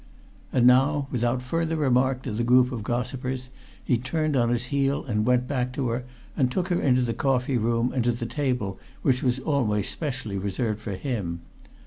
And now, without further remark to the group of gossipers, he turned on his heel and went back to her and took her into the coffee room and to the table which was always specially reserved for him.